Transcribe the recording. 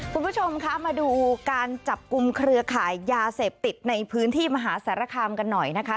คุณผู้ชมคะมาดูการจับกลุ่มเครือข่ายยาเสพติดในพื้นที่มหาสารคามกันหน่อยนะคะ